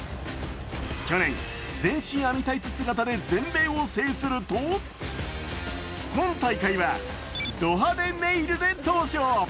去年、全身網タイツ姿で全米を制すると今大会はド派手ネイルで登場。